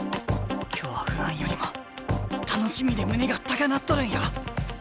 今日は不安よりも楽しみで胸が高鳴っとるんや。